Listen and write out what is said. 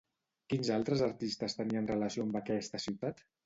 Quins altres artistes tenien relació amb aquesta ciutat?